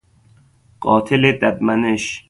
قاتل ددمنش